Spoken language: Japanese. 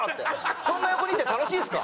そんな横にいて楽しいですか？